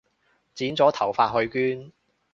剪咗頭髮去捐